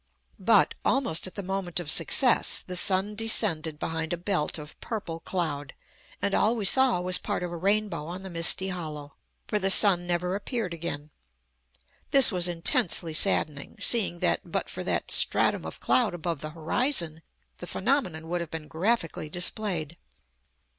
But, almost at the moment of success, the sun descended behind a belt of purple cloud, and all we saw was part of a rainbow on the misty hollow. For the sun never appeared again. This was intensely saddening, seeing that, but for that stratum of cloud above the horizon, the phenomenon would have been graphically displayed.